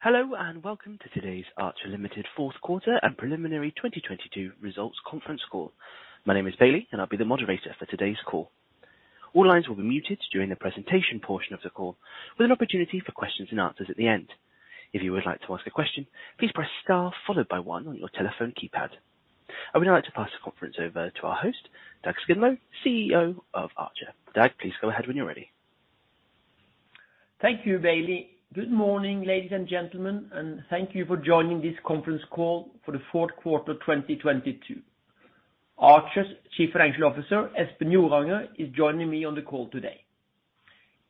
Hello and welcome to today's Archer Limited fourth quarter and preliminary 2022 results conference call. My name is Bailey, and I'll be the moderator for today's call. All lines will be muted during the presentation portion of the call, with an opportunity for questions and answers at the end. If you would like to ask a question, please press star followed by one on your telephone keypad. I would now like to pass the conference over to our host, Dag Skindlo, CEO of Archer. Dag, please go ahead when you're ready. Thank you, Bailey. Good morning, ladies and gentlemen. Thank you for joining this conference call for the fourth quarter, 2022. Archer's Chief Financial Officer, Espen Joranger, is joining me on the call today.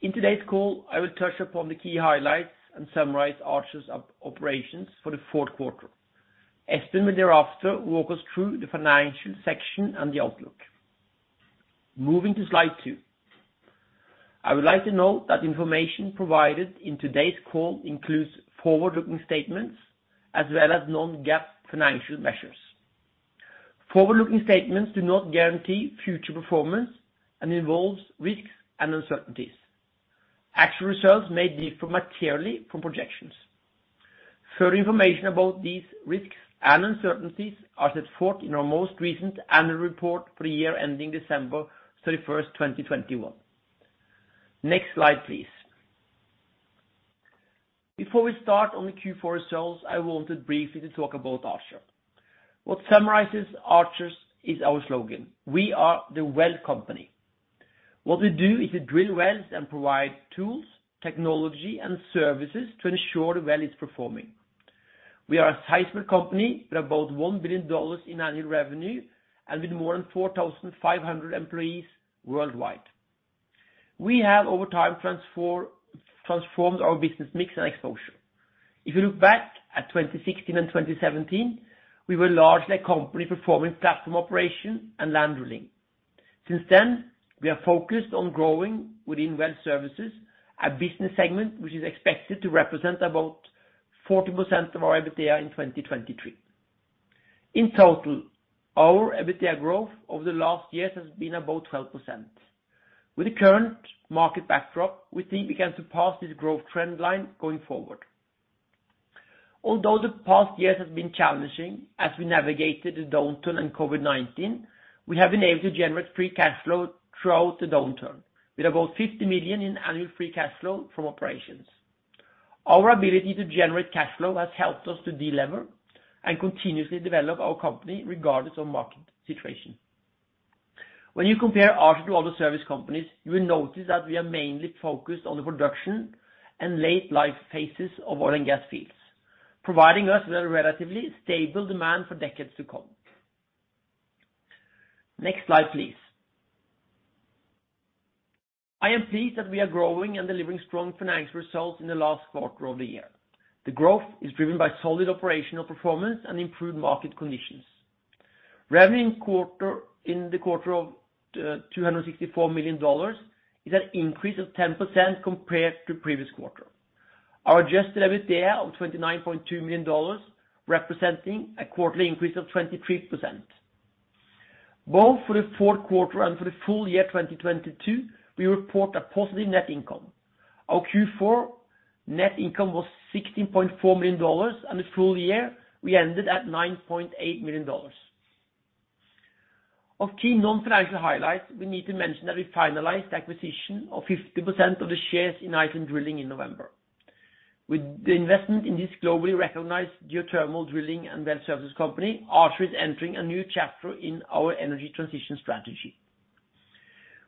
In today's call, I will touch upon the key highlights and summarize Archer's operations for the fourth quarter. Espen will thereafter walk us through the financial section and the outlook. Moving to slide two. I would like to note that information provided in today's call includes forward-looking statements as well as non-GAAP financial measures. Forward-looking statements do not guarantee future performance and involves risks and uncertainties. Actual results may differ materially from projections. Further information about these risks and uncertainties are set forth in our most recent annual report for the year ending December 31st, 2021. Next slide, please. Before we start on the Q4 results, I wanted briefly to talk about Archer. What summarizes Archer is our slogan, We are the well company. What we do is to drill wells and provide tools, technology, and services to ensure the well is performing. We are a sizable company with about $1 billion in annual revenue and with more than 4,500 employees worldwide. We have, over time, transformed our business mix and exposure. If you look back at 2016 and 2017, we were largely a company performing platform operation and land drilling. Since then, we are focused on growing within well services, a business segment which is expected to represent about 40% of our EBITDA in 2023. In total, our EBITDA growth over the last years has been about 12%. With the current market backdrop, we think we can surpass this growth trend line going forward. Although the past years have been challenging as we navigated the downturn and COVID-19, we have been able to generate free cash flow throughout the downturn with about $50 million in annual free cash flow from operations. Our ability to generate cash flow has helped us to delever and continuously develop our company regardless of market situation. When you compare Archer to other service companies, you will notice that we are mainly focused on the production and late life phases of oil and gas fields, providing us with a relatively stable demand for decades to come. Next slide, please. I am pleased that we are growing and delivering strong financial results in the last quarter of the year. The growth is driven by solid operational performance and improved market conditions. Revenue in the quarter of $264 million is an increase of 10% compared to previous quarter. Our adjusted EBITDA of $29.2 million representing a quarterly increase of 23%. Both for the fourth quarter and for the full year, 2022, we report a positive net income. Our Q4 net income was $16.4 million, and the full year we ended at $9.8 million. Of key non-financial highlights, we need to mention that we finalized the acquisition of 50% of the shares in Iceland Drilling in November. With the investment in this globally recognized geothermal drilling and well services company, Archer is entering a new chapter in our energy transition strategy.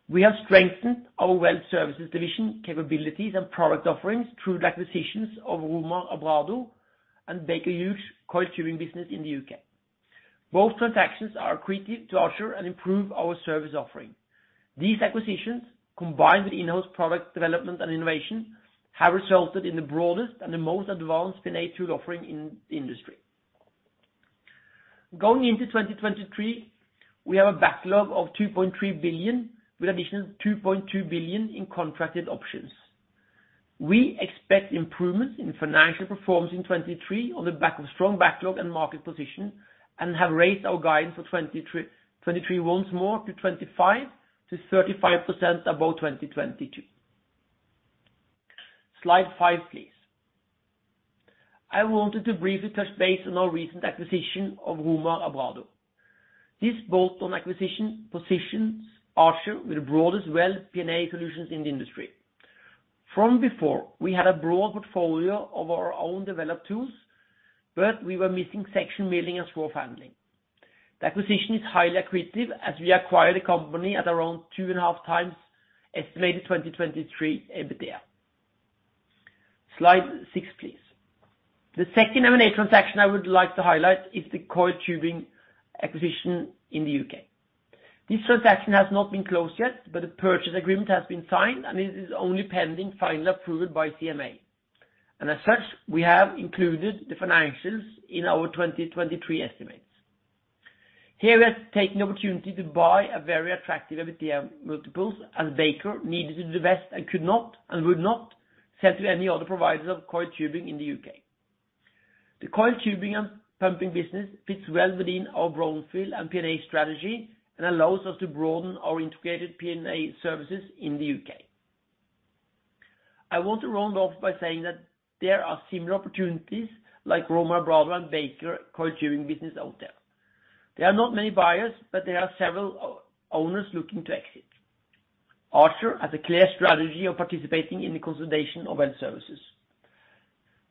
We have strengthened our well services division capabilities and product offerings through the acquisitions of Romar-Abrado and Baker Hughes coiled tubing business in the U.K. Both transactions are accretive to Archer and improve our service offering. These acquisitions, combined with in-house product development and innovation, have resulted in the broadest and the most advanced P&A tool offering in the industry. Going into 2023, we have a backlog of $2.3 billion, with additional $2.2 billion in contracted options. We expect improvements in financial performance in 2023 on the back of strong backlog and market position and have raised our guidance for 2023 once more to 25%-35% above 2022. Slide five, please. I wanted to briefly touch base on our recent acquisition of Romar-Abrado. This bolt-on acquisition positions Archer with the broadest well P&A solutions in the industry. From before, we had a broad portfolio of our own developed tools, but we were missing section milling and swarf handling. The acquisition is highly accretive as we acquire the company at around 2.5x estimated 2023 EBITDA. Slide six, please. The second M&A transaction I would like to highlight is the coiled tubing acquisition in the U.K. This transaction has not been closed yet, but the purchase agreement has been signed, and it is only pending final approval by CMA. As such, we have included the financials in our 2023 estimates. Here, we are taking the opportunity to buy a very attractive EBITDA multiples, as Baker needed to divest and could not and would not sell to any other providers of coiled tubing in the U.K. The coiled tubing and pumping business fits well within our brownfield and P&A strategy and allows us to broaden our integrated P&A services in the U.K. I want to round off by saying that there are similar opportunities like Romar-Abrado and Baker Coiled Tubing business out there. There are not many buyers, but there are several owners looking to exit. Archer has a clear strategy of participating in the consolidation of well services.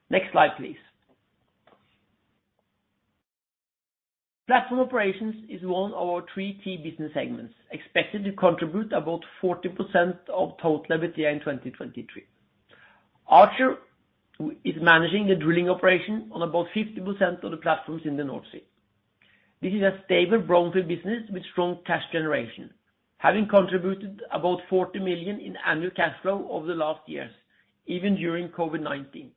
Next slide, please. Platform operations is one of our three key business segments, expected to contribute about 40% of total EBITDA in 2023. Archer is managing the drilling operation on about 50% of the platforms in the North Sea. This is a stable brownfield business with strong cash generation, having contributed about $40 million in annual cash flow over the last years, even during COVID-19.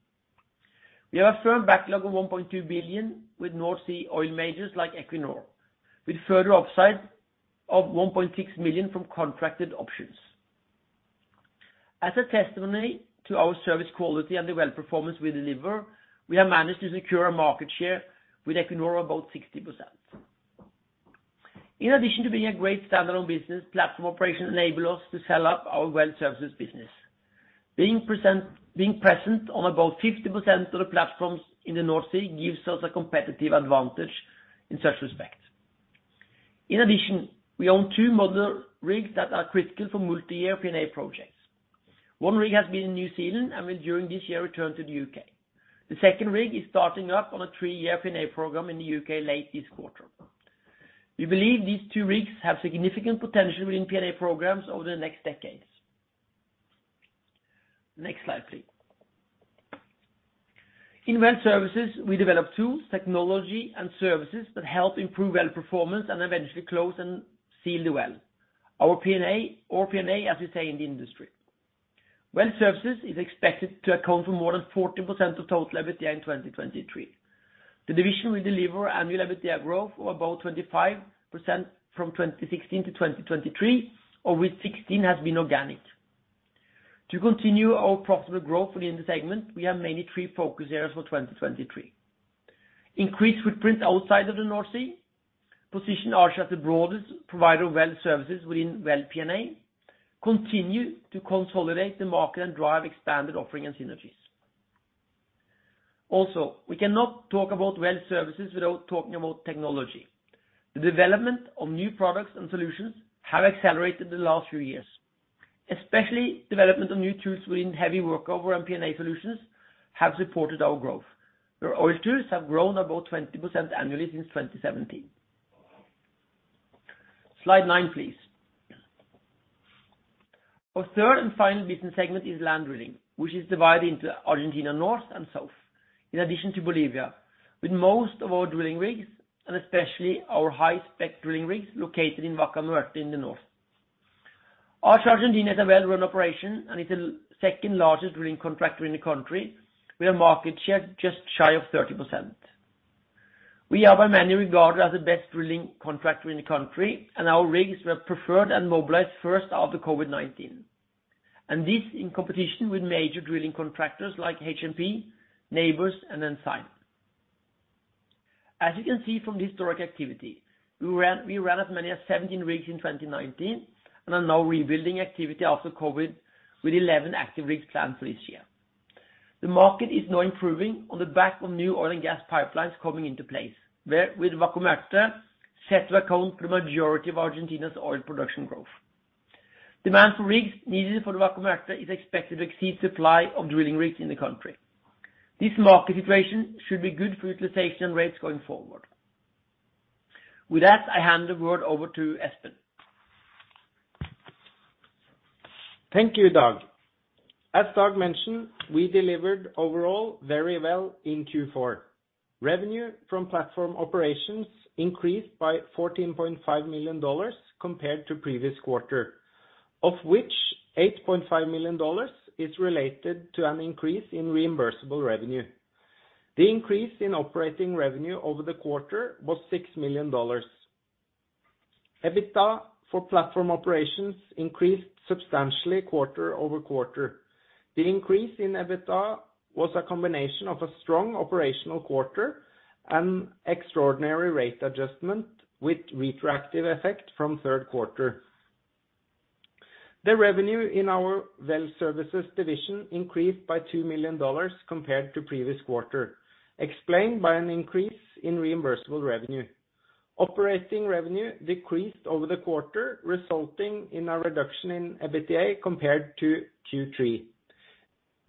We have a firm backlog of $1.2 billion with North Sea oil majors like Equinor, with further upside of $1.6 million from contracted options. As a testimony to our service quality and the well performance we deliver, we have managed to secure a market share with Equinor about 60%. In addition to being a great standalone business, platform operations enable us to sell up our well services business. Being present on about 50% of the platforms in the North Sea gives us a competitive advantage in such respect. In addition, we own two modular rigs that are critical for multi-year P&A projects. One rig has been in New Zealand and will during this year return to the U.K. The second rig is starting up on a three-year P&A program in the U.K. late this quarter. We believe these two rigs have significant potential within P&A programs over the next decades. Next slide, please. In well services, we develop tools, technology, and services that help improve well performance and eventually close and seal the well, our P&A or P&A, as we say in the industry. Well services is expected to account for more than 40% of total EBITDA in 2023. The division will deliver annual EBITDA growth of about 25% from 2016 to 2023, of which 16% has been organic. To continue our profitable growth within the segment, we have mainly three focus areas for 2023. Increase footprint outside of the North Sea, position Archer as the broadest provider of well services within Well P&A, continue to consolidate the market and drive expanded offering and synergies. We cannot talk about well services without talking about technology. The development of new products and solutions have accelerated in the last few years, especially development of new tools within heavy workover and P&A solutions have supported our growth. Our Oiltools have grown about 20% annually since 2017. Slide nine, please. Our third and final business segment is land drilling, which is divided into Argentina North and South, in addition to Bolivia, with most of our drilling rigs, and especially our high-spec drilling rigs, located in Vaca Muerta in the North. Archer Argentina is a well-run operation and is the second-largest drilling contractor in the country, with a market share just shy of 30%. We are by many regarded as the best drilling contractor in the country, and our rigs were preferred and mobilized first after COVID-19, and this in competition with major drilling contractors like H&P, Nabors, and Ensign. As you can see from the historic activity, we ran as many as 17 rigs in 2019 and are now rebuilding activity after COVID-19 with 11 active rigs planned for this year. The market is now improving on the back of new oil and gas pipelines coming into place, wherewith Vaca Muerta set to account for the majority of Argentina's oil production growth. Demand for rigs needed for Vaca Muerta is expected to exceed supply of drilling rigs in the country. This market situation should be good for utilization rates going forward. With that, I hand the word over to Espen. Thank you, Dag. As Dag mentioned, we delivered overall very well in Q4. Revenue from platform operations increased by $14.5 million compared to previous quarter, of which $8.5 million is related to an increase in reimbursable revenue. The increase in operating revenue over the quarter was $6 million. EBITDA for platform operations increased substantially quarter-over-quarter. The increase in EBITDA was a combination of a strong operational quarter and extraordinary rate adjustment with retroactive effect from third quarter. The revenue in our well services division increased by $2 million compared to previous quarter, explained by an increase in reimbursable revenue. Operating revenue decreased over the quarter, resulting in a reduction in EBITDA compared to Q3.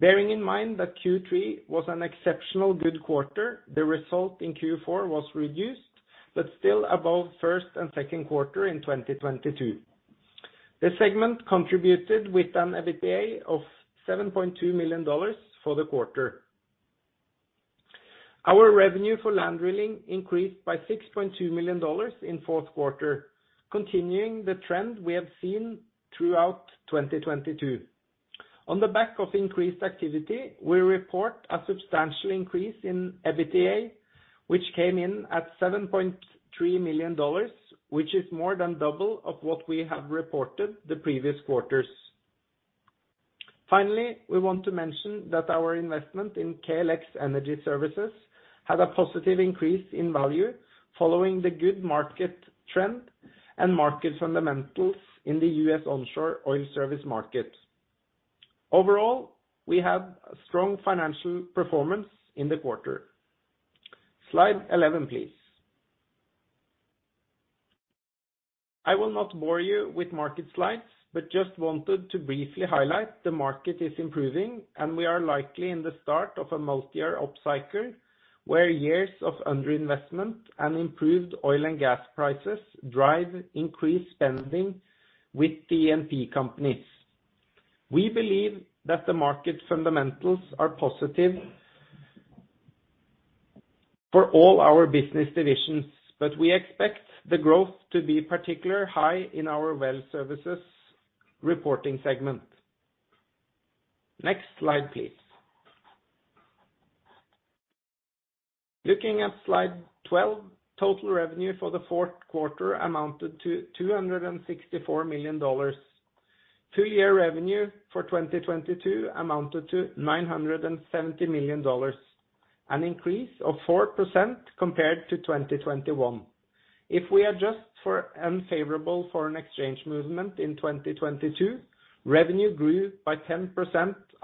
Bearing in mind that Q3 was an exceptional good quarter, the result in Q4 was reduced, but still above first and second quarter in 2022. The segment contributed with an EBITDA of $7.2 million for the quarter. Our revenue for land drilling increased by $6.2 million in fourth quarter, continuing the trend we have seen throughout 2022. On the back of increased activity, we report a substantial increase in EBITDA, which came in at $7.3 million, which is more than double of what we have reported the previous quarters. Finally, we want to mention that our investment in KLX Energy Services had a positive increase in value following the good market trend and market fundamentals in the U.S. onshore oil service market. Overall, we have a strong financial performance in the quarter. Slide 11, please. I will not bore you with market slides, but just wanted to briefly highlight the market is improving and we are likely in the start of a multi-year upcycle, where years of under-investment and improved oil and gas prices drive increased spending with E&P companies. We believe that the market fundamentals are positive for all our business divisions, but we expect the growth to be particularly high in our Well Services reporting segment. Next slide, please. Looking at slide 12, total revenue for the fourth quarter amounted to $264 million. Two-year revenue for 2022 amounted to $970 million, an increase of 4% compared to 2021. If we adjust for unfavorable foreign exchange movement in 2022, revenue grew by 10%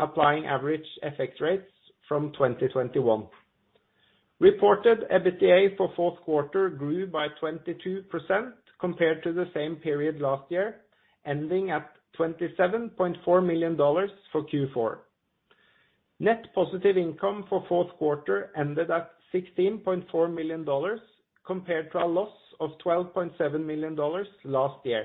applying average FX rates from 2021. Reported EBITDA for fourth quarter grew by 22% compared to the same period last year, ending at $27.4 million for Q4. Net positive income for fourth quarter ended at $16.4 million compared to a loss of $12.7 million last year.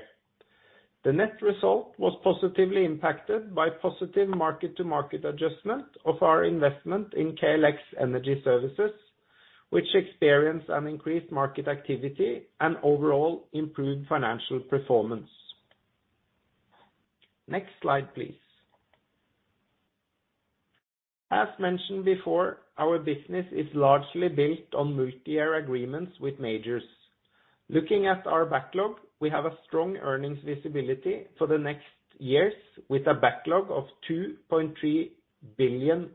The net result was positively impacted by positive mark-to-market adjustment of our investment in KLX Energy Services, which experienced an increased market activity and overall improved financial performance. Next slide, please. As mentioned before, our business is largely built on multi-year agreements with majors. Looking at our backlog, we have a strong earnings visibility for the next years with a backlog of $2.3 billion,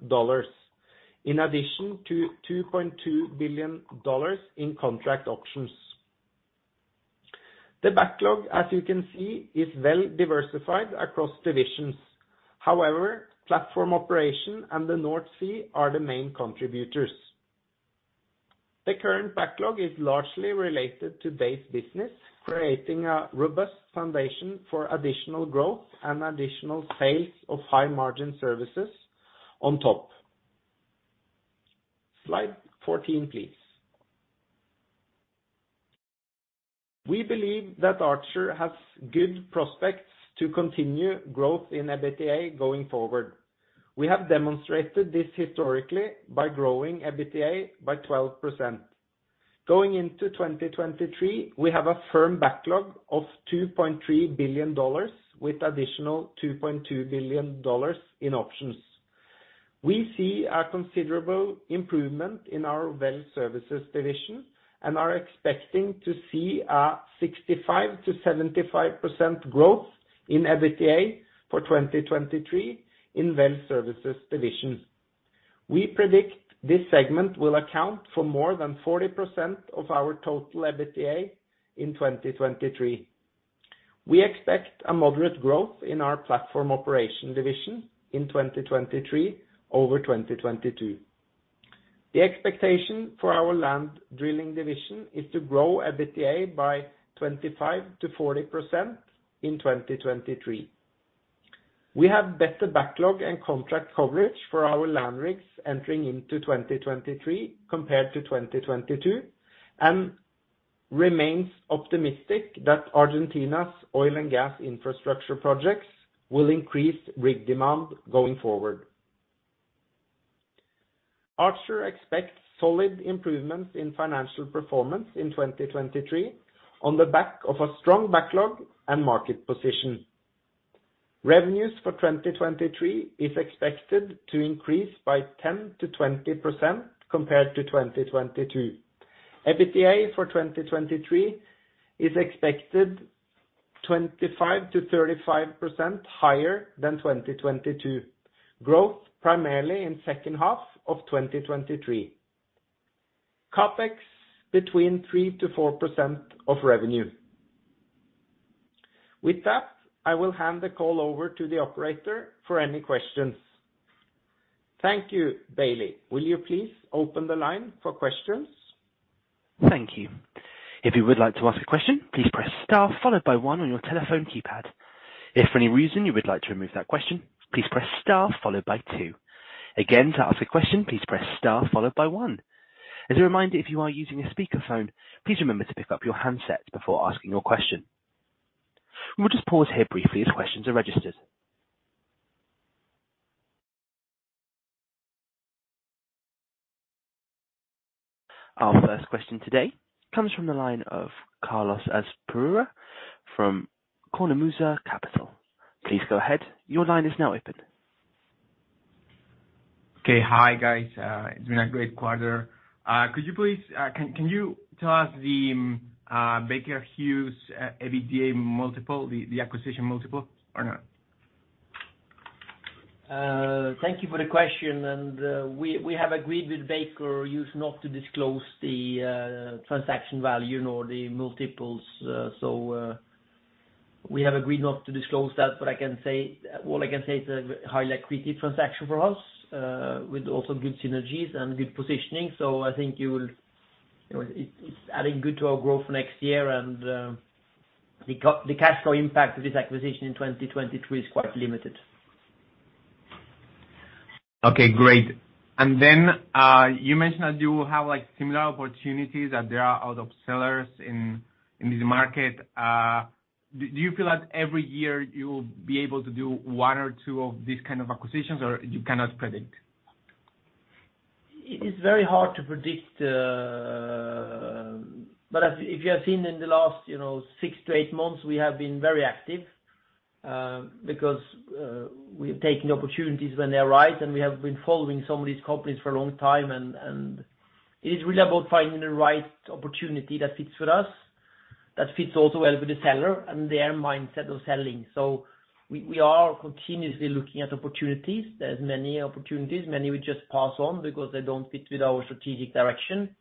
in addition to $2.2 billion in contract options. The backlog, as you can see, is well diversified across divisions. Platform operation and the North Sea are the main contributors. The current backlog is largely related to base business, creating a robust foundation for additional growth and additional sales of high-margin services on top. Slide 14, please. We believe that Archer has good prospects to continue growth in EBITDA going forward. We have demonstrated this historically by growing EBITDA by 12%. Going into 2023, we have a firm backlog of $2.3 billion with additional $2.2 billion in options. We see a considerable improvement in our well services division and are expecting to see a 65%-75% growth in EBITDA for 2023 in well services division. We predict this segment will account for more than 40% of our total EBITDA in 2023. We expect a moderate growth in our platform operation division in 2023 over 2022. The expectation for our land drilling division is to grow EBITDA by 25%-40% in 2023. We have better backlog and contract coverage for our land rigs entering into 2023 compared to 2022 and remains optimistic that Argentina's oil and gas infrastructure projects will increase rig demand going forward. Archer expects solid improvements in financial performance in 2023 on the back of a strong backlog and market position. Revenues for 2023 is expected to increase by 10%-20% compared to 2022. EBITDA for 2023 is expected 25%-35% higher than 2022. Growth primarily in second half of 2023. CapEx between 3%-4% of revenue. With that, I will hand the call over to the operator for any questions. Thank you. Bailey, will you please open the line for questions? Thank you. If you would like to ask a question, please press star followed by one on your telephone keypad. If for any reason you would like to remove that question, please press star followed by two. Again, to ask a question, please press star followed by one. As a reminder, if you are using a speaker phone, please remember to pick up your handset before asking your question. We'll just pause here briefly as questions are registered. Our first question today comes from the line of Carlos Asperura from [Como MUSA Capital. Please go ahead. Your line is now open. Okay. Hi, guys. It's been a great quarter. Could you please, can you tell us the Baker Hughes EBITDA multiple, the acquisition multiple or not? Thank you for the question. We have agreed with Baker Hughes not to disclose the transaction value nor the multiples. We have agreed not to disclose that, but I can say. All I can say it's a high liquidity transaction for us, with also good synergies and good positioning. I think you will. You know, it's adding good to our growth next year. The cash flow impact of this acquisition in 2023 is quite limited. Okay, great. Then, you mentioned that you have, like, similar opportunities, that there are a lot of sellers in this market. Do you feel like every year you'll be able to do one or two of these kind of acquisitions, or you cannot predict? It is very hard to predict. If you have seen in the last, you know, six to eight months, we have been very active, because we're taking opportunities when they arise, and we have been following some of these companies for a long time. It is really about finding the right opportunity that fits with us, that fits also well with the seller and their mindset of selling. We are continuously looking at opportunities. There's many opportunities. Many we just pass on because they don't fit with our strategic direction,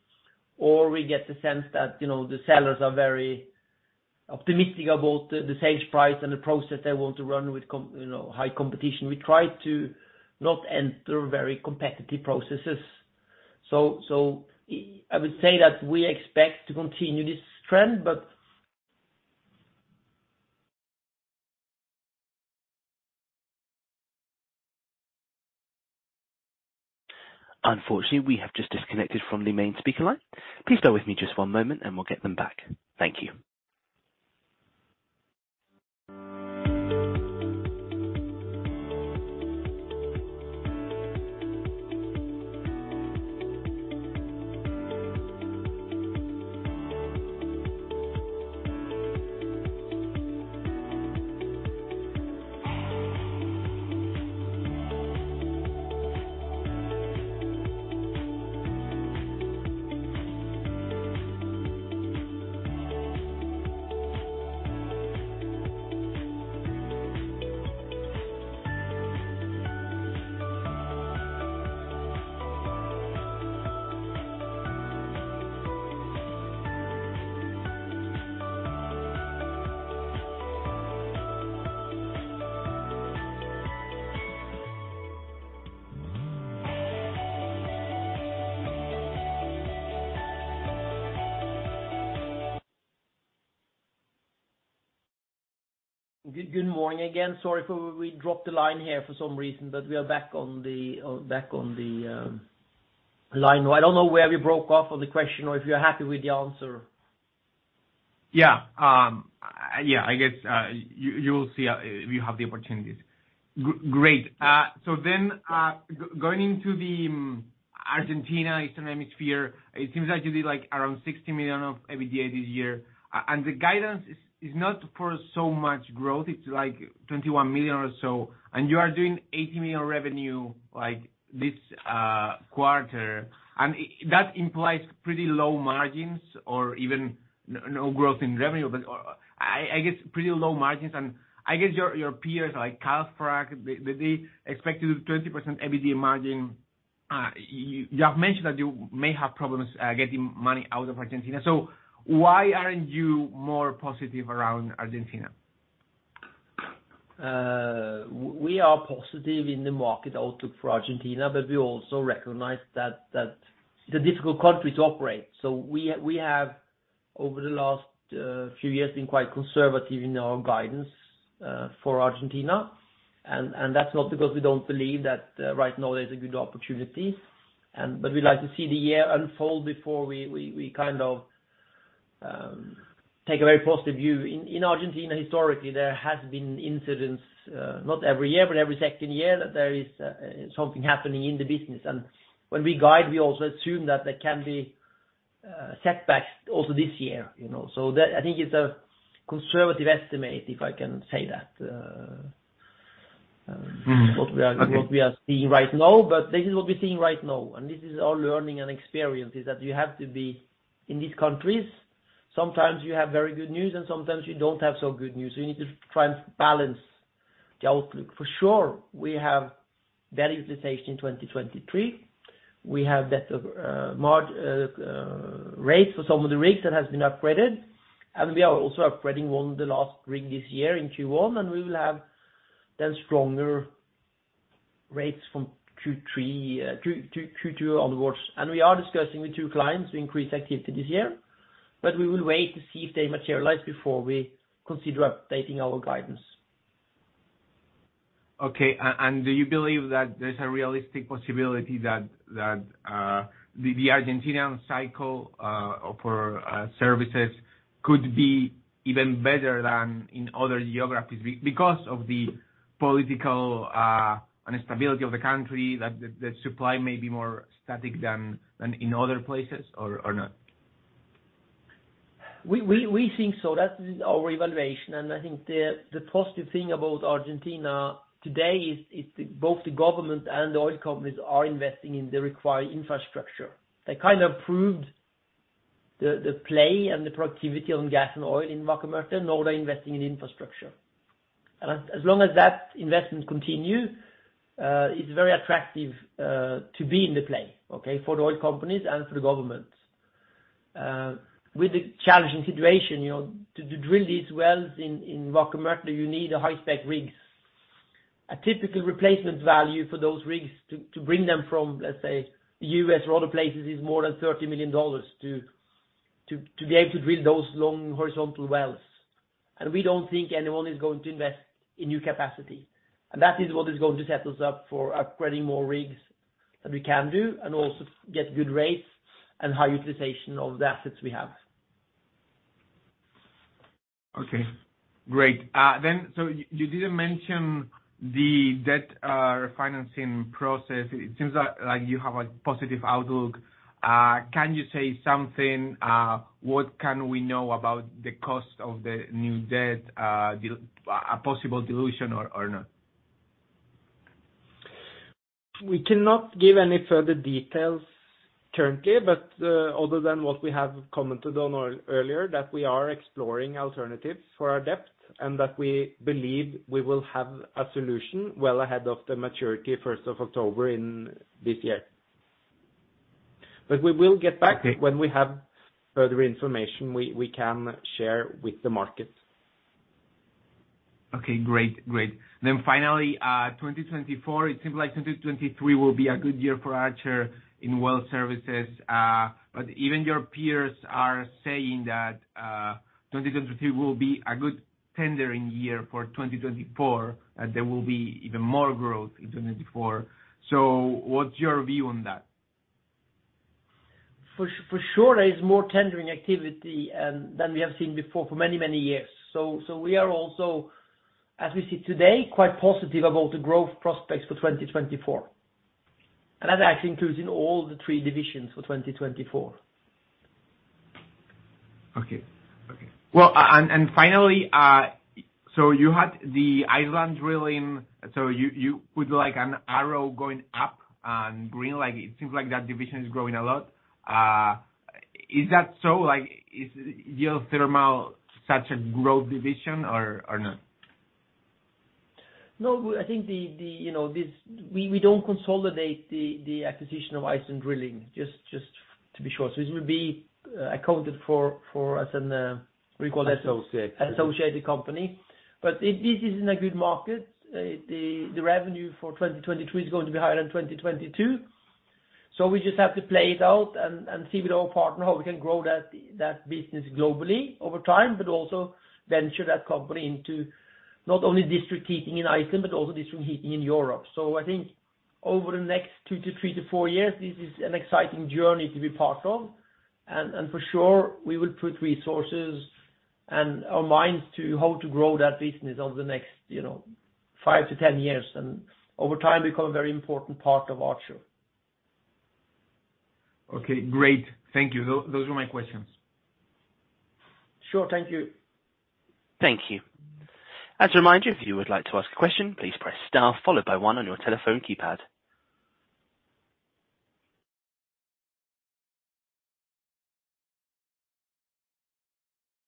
or we get the sense that, you know, the sellers are very optimistic about the sales price and the process they want to run with, you know, high competition. We try to not enter very competitive processes. I would say that we expect to continue this trend. Unfortunately, we have just disconnected from the main speaker line. Please bear with me just one moment, and we'll get them back. Thank you. Good morning again. Sorry for we dropped the line here for some reason, but we are back on the line. I don't know where we broke off on the question or if you're happy with the answer. Yeah. Yeah, I guess, you'll see if you have the opportunities. Great. Going into the Argentina eastern hemisphere, it seems like you did, like, around $60 million of EBITDA this year, the guidance is not for so much growth. It's, like, $21 million or so, and you are doing $80 million revenue, like, this, quarter. That implies pretty low margins or even no growth in revenue. I guess pretty low margins. I guess your peers, like, Calfrac, they expected 20% EBITDA margin. You have mentioned that you may have problems, getting money out of Argentina. Why aren't you more positive around Argentina? We are positive in the market outlook for Argentina, but we also recognize that it's a difficult country to operate. We have, over the last few years, been quite conservative in our guidance for Argentina. That's not because we don't believe that right now there's a good opportunity. But we like to see the year unfold before we kind of take a very positive view. In Argentina, historically, there has been incidents, not every year, but every second year that there is something happening in the business. When we guide, we also assume that there can be setbacks also this year, you know. That I think it's a conservative estimate, if I can say that. Mm-hmm. Okay.... what we are seeing right now. This is what we're seeing right now. This is our learning and experience, is that you have to be in these countries. Sometimes you have very good news, and sometimes you don't have so good news. You need to try and balance the outlook. For sure, we have better utilization in 2023. We have better rates for some of the rigs that has been upgraded, and we are also upgrading one of the last rig this year in Q1, and we will have then stronger rates from Q2 onwards. We are discussing with two clients to increase activity this year. We will wait to see if they materialize before we consider updating our guidance. Okay. Do you believe that there's a realistic possibility that the Argentinian cycle for services could be even better than in other geographies because of the political instability of the country, that the supply may be more static than in other places or not? We think so. That is our evaluation. I think the positive thing about Argentina today is both the government and the oil companies are investing in the required infrastructure. They kinda proved the play and the productivity on gas and oil in Vaca Muerta, now they're investing in infrastructure. As long as that investment continue, it's very attractive to be in the play, okay? For the oil companies and for the government. With the challenging situation, you know, to drill these wells in Vaca Muerta, you need a high-spec rigs. A typical replacement value for those rigs to bring them from, let's say, the U.S. or other places is more than $30 million to be able to drill those long horizontal wells. We don't think anyone is going to invest in new capacity. That is what is going to set us up for upgrading more rigs than we can do, and also get good rates and high utilization of the assets we have. Okay. Great. You didn't mention the debt refinancing process. It seems like you have a positive outlook. Can you say something, what can we know about the cost of the new debt? A possible dilution or not? We cannot give any further details currently, but, other than what we have commented on earlier, that we are exploring alternatives for our debt, and that we believe we will have a solution well ahead of the maturity first of October in this year. We will get back. Okay. When we have further information we can share with the markets. Okay, great. Great. Finally, 2024, it seems like 2023 will be a good year for Archer in Well Services. Even your peers are saying that 2023 will be a good tendering year for 2024. There will be even more growth in 2024. What's your view on that? For sure there is more tendering activity than we have seen before for many, many years. We are also, as we see today, quite positive about the growth prospects for 2024. That actually includes in all the 3 divisions for 2024. Okay. Okay. And finally, you had the Iceland Drilling, you put like an arrow going up and green, like it seems like that division is growing a lot. Is that so? Like, is geothermal such a growth division or not? No, I think the, you know. We don't consolidate the acquisition of Iceland Drilling, just to be sure. This will be accounted for as an. Associated. -associated company. It is in a good market. The revenue for 2023 is going to be higher than 2022. We just have to play it out and see with our partner how we can grow that business globally over time, but also venture that company into not only district heating in Iceland, but also district heating in Europe. I think over the next two-three-four years, this is an exciting journey to be part of. For sure, we will put resources and our minds to how to grow that business over the next, you know, five-10 years. Over time, become a very important part of Archer. Okay, great. Thank you. Those were my questions. Sure. Thank you. Thank you. As a reminder, if you would like to ask a question, please press star followed by one on your telephone keypad.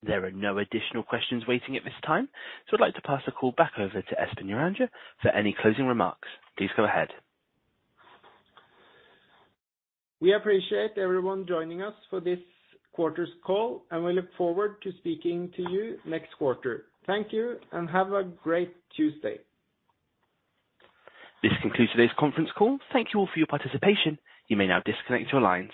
There are no additional questions waiting at this time, so I'd like to pass the call back over to Espen Joranger for any closing remarks. Please go ahead. We appreciate everyone joining us for this quarter's call, and we look forward to speaking to you next quarter. Thank you, and have a great Tuesday. This concludes today's conference call. Thank you all for your participation. You may now disconnect your lines.